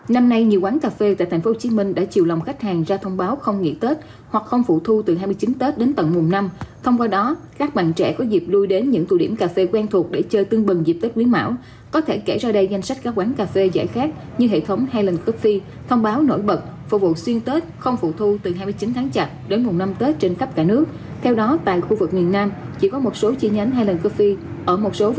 năm nay nhiều quán cà phê tại tp hcm đã chiều lòng khách hàng ra thông báo không nghỉ tết hoặc không phụ thu từ hai mươi chín tết đến tận mùa năm thông qua đó các bạn trẻ có dịp đuôi đến những tù điểm cà phê quen thuộc để chơi tương bừng dịp tết quyến mão có thể kể ra đây danh sách các quán cà phê giải khác như hệ thống highland coffee thông báo nổi bật phục vụ xuyên tết không phụ thu từ hai mươi chín tháng chặt đến mùa năm tết trên khắp cả nước theo đó tại khu vực miền nam chỉ có một số chi nhánh highland coffee ở một số khu vực miền nam chỉ có một số chi nhánh highland coffee ở một số khu v